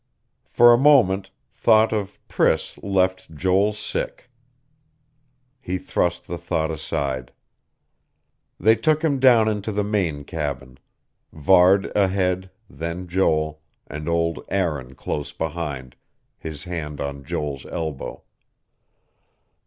For a moment, thought of Priss left Joel sick. He thrust the thought aside.... They took him down into the main cabin; Varde ahead, then Joel, and old Aaron close behind, his hand on Joel's elbow.